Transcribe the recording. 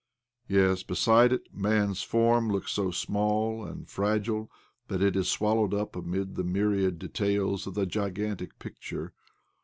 Yes, beside it man's form looks so small and fragile that it is swallowed up amid the myriad details of the gigantic picture.